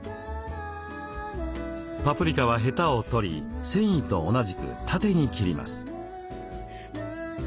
パプリカはへたを取り繊維と同じく縦に切ります。